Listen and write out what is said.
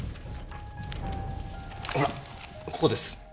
ほらここです。